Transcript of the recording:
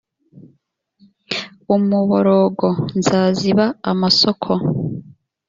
umuborogo nzaziba amasoko